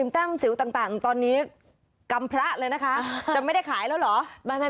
แต้มสิวต่างตอนนี้กำพระเลยนะคะจะไม่ได้ขายแล้วเหรอ